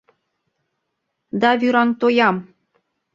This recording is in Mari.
Да вӱраҥтоям.